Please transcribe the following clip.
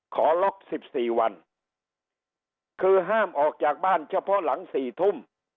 ขอล็อก๑๔วันคือห้ามออกจากบ้านเฉพาะหลัง๔ทุ่ม